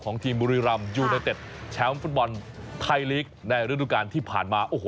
ทีมบุรีรำยูไนเต็ดแชมป์ฟุตบอลไทยลีกในฤดูการที่ผ่านมาโอ้โห